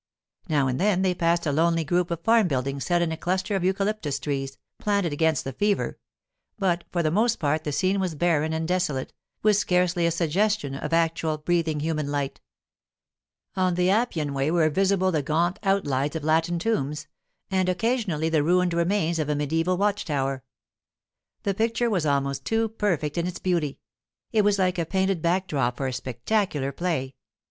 Now and then they passed a lonely group of farm buildings set in a cluster of eucalyptus trees, planted against the fever; but for the most part the scene was barren and desolate, with scarcely a suggestion of actual, breathing human light. On the Appian Way were visible the gaunt outlines of Latin tombs, and occasionally the ruined remains of a mediaeval watch tower. The picture was almost too perfect in its beauty; it was like the painted back drop for a spectacular play.